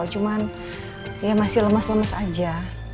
cuman ya masih lemes lemes aja